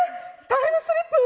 タイムスリップ！？